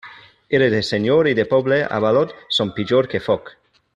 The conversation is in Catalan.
Ira de senyor i de poble avalot són pitjor que foc.